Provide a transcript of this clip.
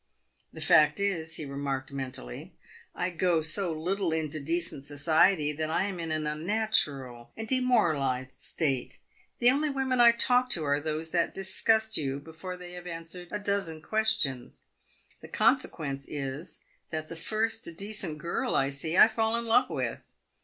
" The fact is," he remarked mentally, " I go so little into decent society that I am in an unnatural and demoralised state. The only women I talk to are those that disgust you before they have answered a dozen questions. The consequence is, that the first decent girl I see I fall in love with.